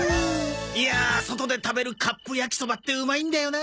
いや外で食べるカップ焼きそばってうまいんだよな。